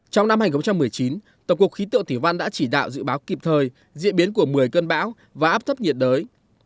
trong năm hai nghìn một mươi chín tổng cục khí tượng thủy văn đã chỉ đạo dự báo kịp thời diễn biến của một mươi cơn bão và áp thấp nhiệt đới